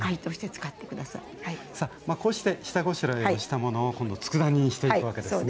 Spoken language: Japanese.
さあこうして下ごしらえをしたものを今度つくだ煮にしていくわけですね。